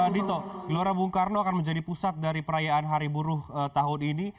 dito gelora bung karno akan menjadi pusat dari perayaan hari buruh tahun ini